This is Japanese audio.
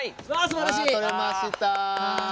撮れました！